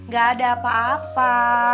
gak ada apa apa